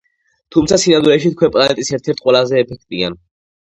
თუმცა სინამდვილეში თქვენ პლანეტის ერთ-ერთ ყველაზე ეფექტიან "